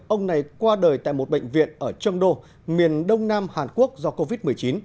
ông này qua đời tại một bệnh viện ở trâm đô miền đông nam hàn quốc do covid một mươi chín